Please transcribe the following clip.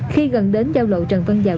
khi gần đến giao lộ trần văn dầu